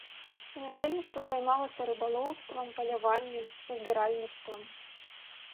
Насельніцтва займалася рыбалоўствам, паляваннем, збіральніцтвам.